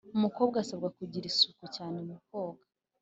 Umukobwa asabwa kugira isuku cyane mu koga